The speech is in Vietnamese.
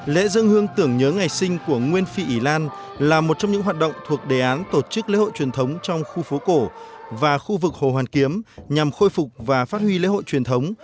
lễ dân hương tưởng nhớ ngày sinh của nguyên phi ý lan là một trong những hoạt động thuộc đề án tổ chức lễ hội truyền thống trong khu phố cổ và khu vực hồ hoàn kiếm nhằm khôi phục và phát huy lễ hội truyền thống